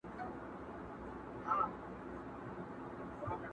زما پر سونډو یو غزل عاشقانه یې,